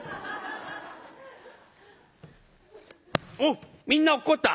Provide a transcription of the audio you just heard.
「おうみんな落っこった」。